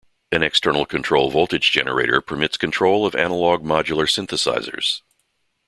An external control voltage generator permits control of analog modular synthesizers.